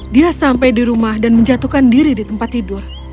dia sampai di rumah dan menjatuhkan diri di tempat tidur